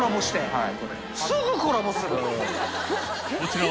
はい。